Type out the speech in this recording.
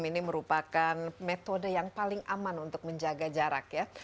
ini merupakan metode yang paling aman untuk menjaga jarak ya